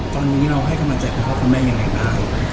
ตอนนี้เราให้เขามาใจเป็นครอบครัวแม่อย่างไรบ้าง